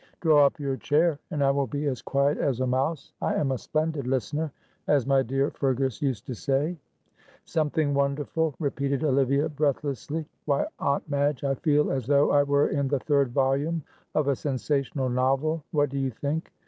Draw up your chair and I will be as quiet as a mouse. I am a splendid listener, as my dear Fergus used to say." "Something wonderful," repeated Olivia, breathlessly. "Why, Aunt Madge, I feel as though I were in the third volume of a sensational novel. What do you think?